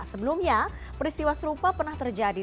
sebelumnya peristiwa serupa pernah terjadi